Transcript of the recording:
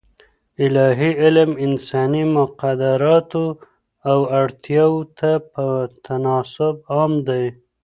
الاهي علم انساني مقدراتو او اړتیاوو ته په تناسب عام دی.